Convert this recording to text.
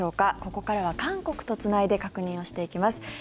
ここからは韓国とつないで確認をしていきます。